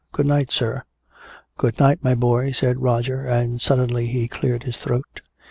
Good night, sir " "Good night, my boy," said Roger, and suddenly he cleared his throat.